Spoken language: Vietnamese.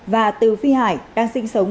và từ phi hải đang sinh sống